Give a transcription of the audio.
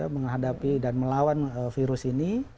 menghadapi dan melawan virus ini